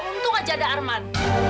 untung aja ada arman